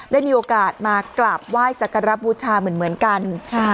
ได้มีโอกาสมากราบไหว้สักการรับบูชาเหมือนเหมือนกันค่ะ